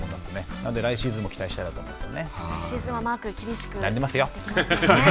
なので来シーズンも来シーズンはマークが厳しくなりますよね。